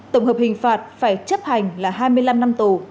tổng hợp hình phạt phải chấp hành là hai mươi năm năm tù